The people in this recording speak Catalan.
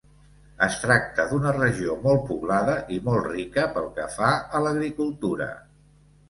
Es tracta d'una regió molt poblada i molt rica pel que fa a l'agricultura.